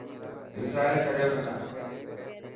وساري ڇڏيو منا.